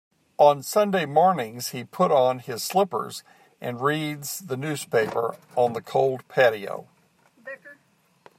On Sunday mornings, he puts on his slippers and reads the newspaper on the cold patio.